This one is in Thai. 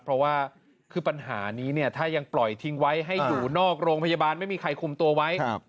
เพราะว่าคือปัญหานี้เนี่ยถ้ายังปล่อยทิ้งไว้ให้อยู่นอกโรงพยาบาลไม่มีใครคุมตัวไว้